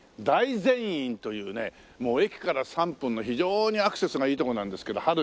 大善院というねもう駅から３分の非常にアクセスがいいとこなんですけど。